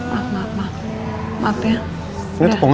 ini sini aku bersihin ya